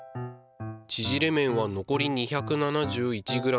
ちぢれ麺はのこり２７１ｇ